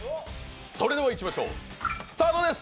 それではいきましょう、スタートです！